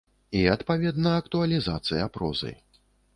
І, адпаведна, актуалізацыя прозы.